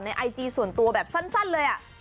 ไอจีส่วนตัวแบบสั้นเลย